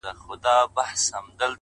o شېخ سره وښورېدی زموږ ومخته کم راغی؛